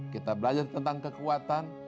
kita belajar tentang kekuatan